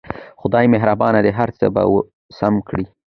خدای مهربان دی هر څه به سم کړي